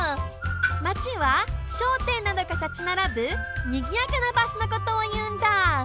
「街」はしょうてんなどがたちならぶにぎやかなばしょのことをいうんだ。